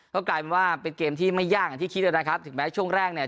ก็กลายเป็นว่าเป็นเกมที่ไม่ยากอย่างที่คิดนะครับถึงแม้ช่วงแรกเนี่ย